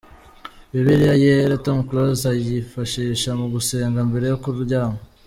Bibiliya Yera Tom Close ayifashisha mu gusenga mbere yo kuryama.